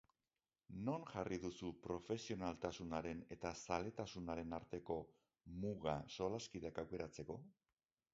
Non jarri duzu profesionaltasunaren eta zaletasunaren arteko muga solaskideak aukeratzeko?